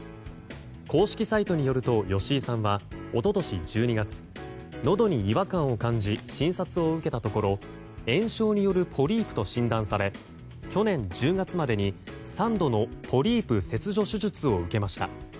公式サイトによると吉井さんは、一昨年１２月のどに違和感を感じ診察を受けたところ炎症によるポリープと診断され去年１０月までに３度のポリープ切除手術を受けました。